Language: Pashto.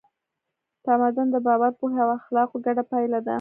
تمدن د باور، پوهې او اخلاقو ګډه پایله ده.